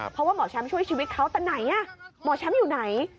เพราะว่าหมอแชมป์ช่วยชีวิตเขาแต่ไหนหมอแชมป์อยู่ไหน